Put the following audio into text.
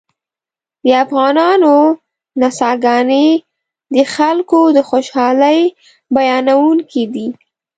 د افغانانو نڅاګانې د خلکو د خوشحالۍ بیانوونکې دي